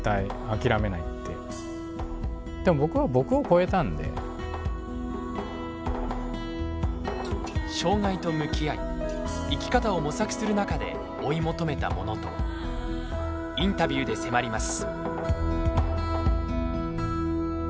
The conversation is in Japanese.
でも障害と向き合い生き方を模索する中で追い求めたものとはインタビューで迫ります